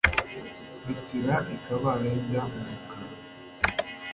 mpitira i kabare njya mu rukari